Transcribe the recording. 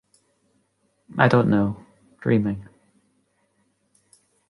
I don’t know. Dreaming.